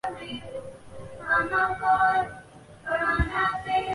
希格斯玻色子的出现对于夸克星的稳定结构有重要的影响。